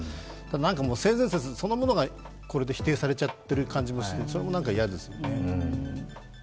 何か性善説そのものがこれで否定されちゃってる感じがしてそれも何か嫌ですよね。